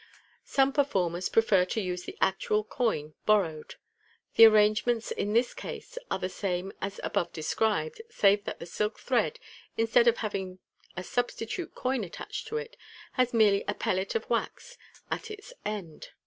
Some performers prefer to use the actual coin borrowed. The •arrangements in this case are the same as above described, save that the silk thread, instead of having a substitute coin attached to it, has merely a pellet of wax at its end.